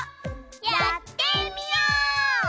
やってみよう。